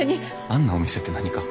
あんなお店って何か？